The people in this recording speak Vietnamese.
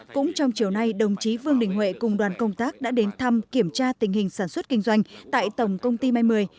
cũng trong chiều nay đồng chí vương đình huệ cùng đoàn công tác đã đến thăm kiểm tra tình hình sản xuất kinh doanh tại tổng công ty mai mười